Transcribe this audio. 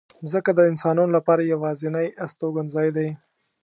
مځکه د انسانانو لپاره یوازینۍ استوګنځای دی.